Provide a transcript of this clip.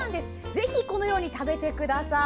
ぜひこのように食べてください。